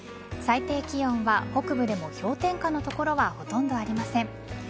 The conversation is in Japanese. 最低気温は北部でも氷点下の所がほとんどありません。